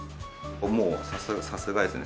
もうさすがですね。